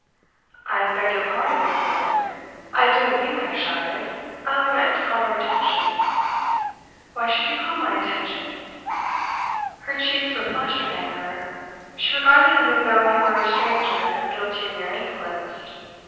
'I beg your pardon, Miss. Lord. I didn't think I shouted. I only meant to call your attention.' 'Why should you call my attention?' Her cheeks were flushed with anger; she regarded him as though he were a stranger guilty of mere insolence.